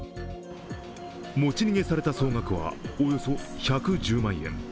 持ち逃げされた総額は、およそ１１０万円。